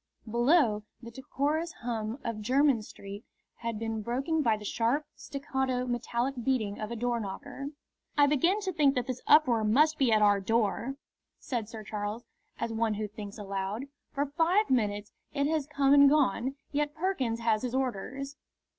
Below, the decorous hum of Jermyn Street had been broken by the sharp, staccato, metallic beating of a doorknocker. "I begin to think that this uproar must be at our door," said Sir Charles, as one who thinks aloud. "For five minutes it has come and gone; yet Perkins has his orders."